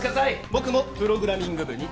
僕もプログラミング部に。